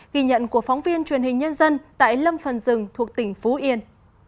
ghi nhận của phóng viên truyền hình nhân dân tại lâm phần rừng thuộc tỉnh phú yên